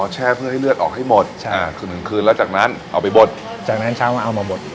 แช่เพื่อให้เลือดออกให้หมดใช่คือหนึ่งคืนแล้วจากนั้นเอาไปบดจากนั้นเช้ามาเอามาบด